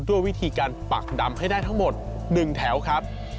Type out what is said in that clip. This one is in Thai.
ด้วยวิธีการปักดำให้ได้ทั้งหมด๑แถวครับ